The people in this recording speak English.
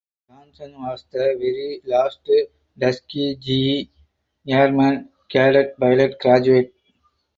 Johnson was the very last Tuskegee Airmen cadet pilot graduate.